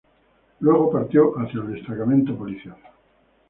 Luego partió hacia el destacamento policial.